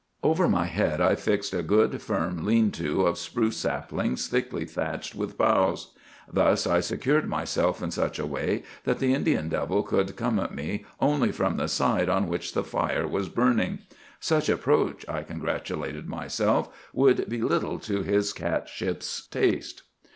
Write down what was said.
Over my head I fixed a good, firm 'lean to' of spruce saplings, thickly thatched with boughs. Thus I secured myself in such a way that the Indian devil could come at me only from the side on which the fire was burning. Such approach, I congratulated myself, would be little to his Catship's taste.